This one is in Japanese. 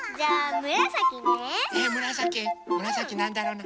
むらさきなんだろうな。